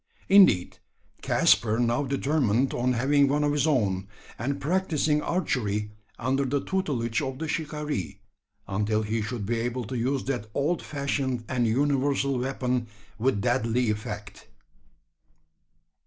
Indeed, Caspar now determined on having one of his own; and practising archery under the tutelage of the shikaree, until he should be able to use that old fashioned and universal weapon with deadly effect.